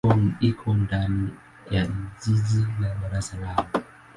Iko ndani ya jiji la Dar es Salaam.